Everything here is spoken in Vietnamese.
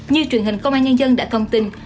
như truyền hình công an nhân dân đã thông tin